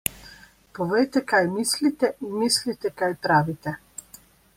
Povejte, kaj mislite in mislite, kaj pravite.